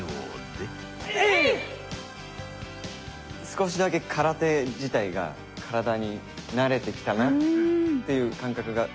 少しだけ空手自体が体に慣れてきたなっていう感覚が。